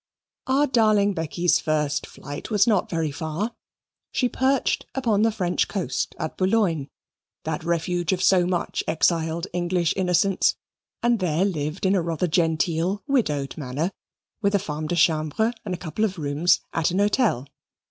Our darling Becky's first flight was not very far. She perched upon the French coast at Boulogne, that refuge of so much exiled English innocence, and there lived in rather a genteel, widowed manner, with a femme de chambre and a couple of rooms, at an hotel.